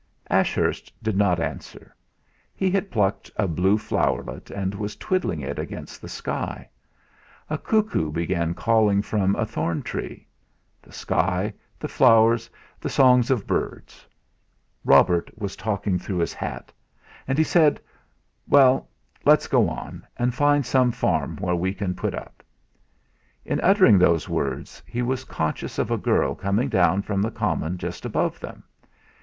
Ashurst did not answer; he had plucked a blue floweret, and was twiddling it against the sky. A cuckoo began calling from a thorn tree. The sky, the flowers, the songs of birds! Robert was talking through his hat! And he said: "Well, let's go on, and find some farm where we can put up." In uttering those words, he was conscious of a girl coming down from the common just above them.